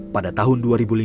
pada tahun dua ribu lima